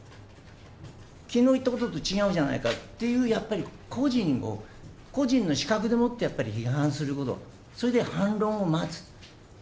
きのう言ったことと違うじゃないかっていう、やっぱり個人を、個人の資格でもってやっぱり批判すること、それで反論を待つ。